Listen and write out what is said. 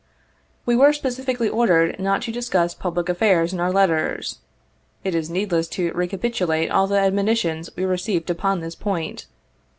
We were specifically ordered not to discuss public affairs in our letters. It is needless to recapitulate all the ad monitions we received upon this point.